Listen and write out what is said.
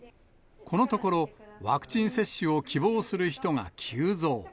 このところ、ワクチン接種を希望する人が急増。